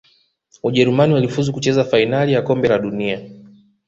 Ujerumani walifuzu kucheza fainali ya kombe la dunia